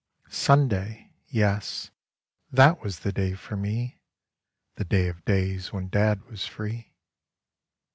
Sunday I yes, that was the day for me, The day of days, when Dad was free.